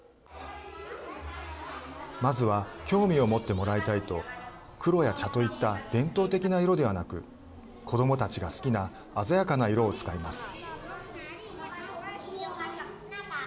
まずは興味を持ってもらいたいと黒や茶といった伝統的な色ではなく子どもたちが好きな鮮やかな色を使います。